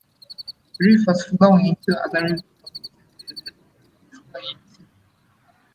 Rivers flowing into other rivers are listed by the rivers they flow into.